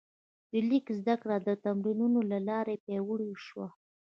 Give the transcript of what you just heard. د لیک زده کړه د تمرینونو له لارې پیاوړې شوه.